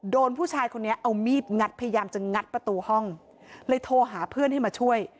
โดนผู้ชายคนนี้เอามีดงัดพยายามจะงัดประตูห้องเลยโทรหาเพื่อนให้มาช่วย